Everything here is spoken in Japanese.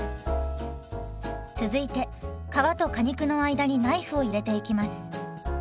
続いて皮と果肉の間にナイフを入れていきます。